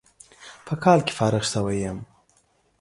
په کال کې فارغ شوى يم.